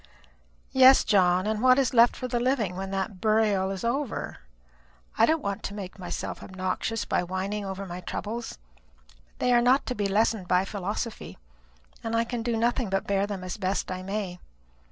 "Yes, John; and what is left for the living when that burial is over? I don't want to make myself obnoxious by whining over my troubles, but they are not to be lessened by philosophy, and I can do nothing but bear them as best I may.